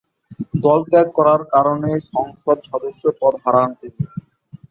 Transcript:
দল ত্যাগ করার কারণে সংসদ সদস্য পদ হারান তিনি।